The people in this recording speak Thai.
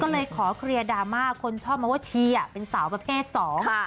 ก็เลยขอเคลียร์ดราม่าคนชอบมาว่าชีอ่ะเป็นสาวประเภทสองค่ะ